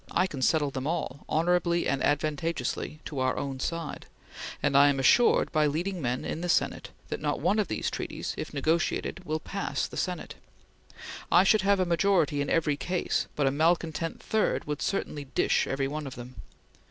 I can settle them all, honorably and advantageously to our own side; and I am assured by leading men in the Senate that not one of these treaties, if negotiated, will pass the Senate. I should have a majority in every case, but a malcontent third would certainly dish every one of them.